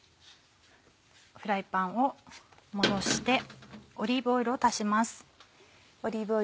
フライパンを戻してオリーブオイルを足します。